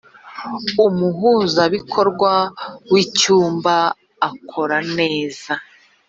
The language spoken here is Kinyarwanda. umuhuzabikorwa w ‘icyumba akora neza.